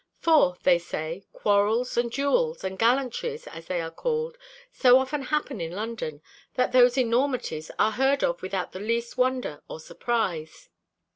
For, they say, quarrels, and duels, and gallantries, as they are called, so often happen in London, that those enormities are heard of without the least wonder or surprise.